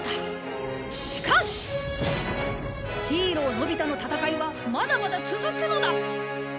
しかしヒーローのび太の戦いはまだまだ続くのだ！